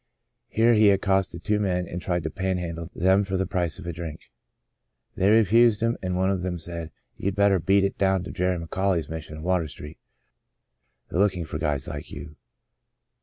Here he accosted two men and tried to panhandle them for the price of a drink. They refused him and one of them said, " You'd better beat it down to Jerry McAuley's Mission in Water Street. They're looking for guys like you."